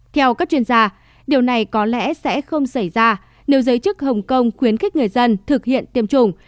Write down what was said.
theo các chuyên gia điều này có lẽ sẽ không xảy ra nếu giới chức hồng kông khuyến khích người dân thực hiện tiêm chủng